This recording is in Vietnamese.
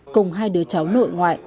cùng hai đứa cháu nội ngoại